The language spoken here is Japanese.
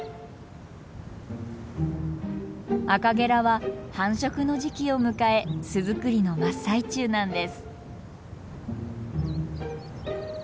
アカゲラは繁殖の時期を迎え巣づくりの真っ最中なんです。